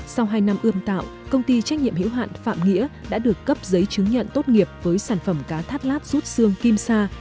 sau hai năm ươm tạo công ty trách nhiệm hữu hạn phạm nghĩa đã được cấp giấy chứng nhận tốt nghiệp với sản phẩm cá thắt lát rút xương kim sa